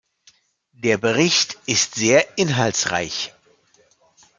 Der Bericht ist sehr inhaltsreich.